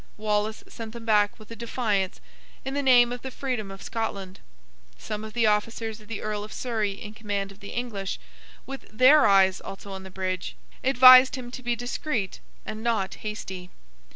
Wallace sent them back with a defiance, in the name of the freedom of Scotland. Some of the officers of the Earl of Surrey in command of the English, with their eyes also on the bridge, advised him to be discreet and not hasty.